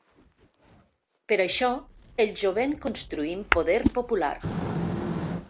Per això, el jovent construïm poder popular.